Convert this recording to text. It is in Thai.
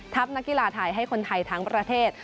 นักกีฬาไทยให้คนไทยทั้งประเทศ